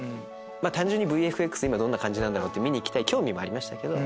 単純にＶＦＸどんな感じなんだろうって見に行きたい興味もありましたけど。